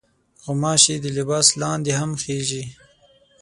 غوماشې د لباس لاندې هم خېژي.